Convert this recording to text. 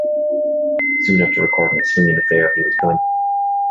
Soon after recording "A Swingin' Affair", he was gone.